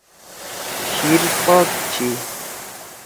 شیِر پاک چھی۔